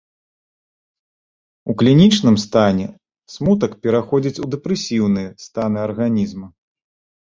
У клінічным стане смутак пераходзіць у дэпрэсіўныя станы арганізма.